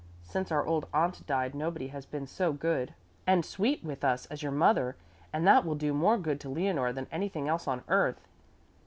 Since our old aunt died nobody has been so good and sweet with us as your mother and that will do more good to Leonore than anything else on earth."